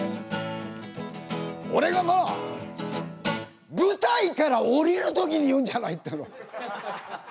俺がな舞台から降りる時に言うんじゃないっての！